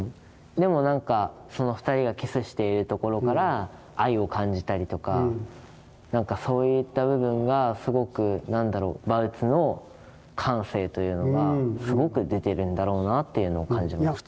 でもなんかその２人がキスしているところから愛を感じたりとかなんかそういった部分がすごくバウツの感性というのはすごく出てるんだろうなっていうのを感じました。